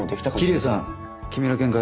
桐生さん君の見解は？